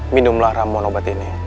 minumlah ramon obat ini